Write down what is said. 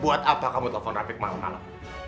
buat apa kamu telepon rapik malem malem